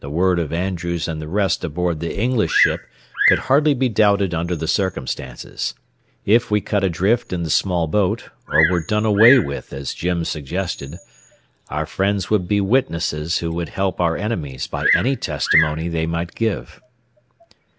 The word of Andrews and the rest aboard the English ship could hardly be doubted under the circumstances. If we cut adrift in the small boat or were done away with as Jim suggested, our friends would be witnesses who would help our enemies by any testimony they might give.